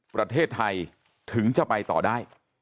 ประเทศไทยถึงจะไปต่อได้